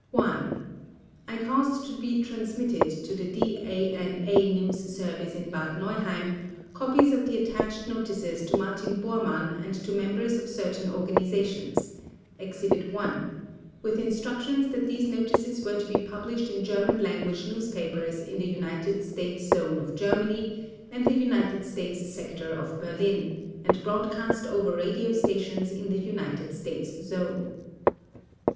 I caused to be transmitted to the DANA news service in Bad Nauheim copies of the attached notices to Martin Bormann and to members of certain organizations (Exhibit I) with instructions that these notices were to be published in German language newspapers in the United States Zone of Germany and the United States Sector of Berlin, and broadcast over radio stations in the United States Zone.